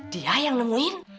dia yang nemuin